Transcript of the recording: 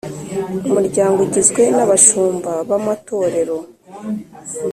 Umuryango ugizwe n abashumba b amatorero